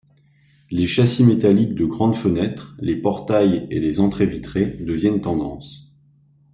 Les châssis métalliques de grandes fenêtres, les portails et les entrées vitrées deviennent tendance.